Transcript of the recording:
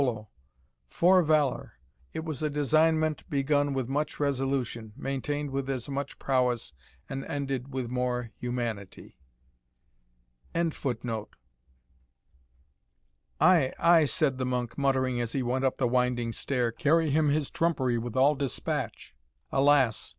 'Fore valour! it was a designment begun with much resolution, maintained with as much prowess, and ended with more humanity."] "Ay, ay," said the monk, muttering as he went up the winding stair, "carry him his trumpery with all despatch. Alas!